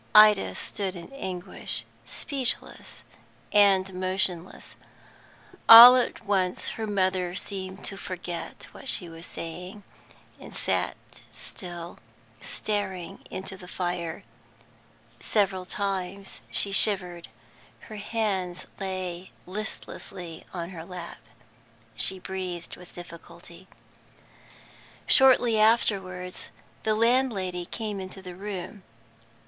Ida stood in anguish, speechless and motionless. All at once her mother seemed to forget what she was saying, and sat still, staring into the fire. Several times she shivered. Her hands lay listlessly on her lap; she breathed with difficulty. Shortly afterwards, the landlady came into the room.